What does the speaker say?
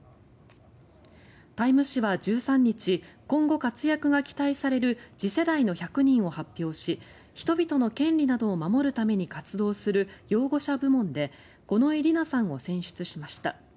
「タイム」誌は１３日今後活躍が期待される次世代の１００人を発表し人々の権利などを守るために活動する擁護者部門で五ノ井里奈さんを選出しました。